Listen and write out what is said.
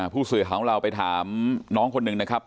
ผู้สื่อข่าวของเราไปถามน้องคนหนึ่งนะครับ